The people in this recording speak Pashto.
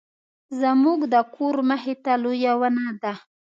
زموږ د کور مخې ته لویه ونه ده